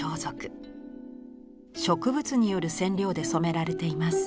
植物による染料で染められています。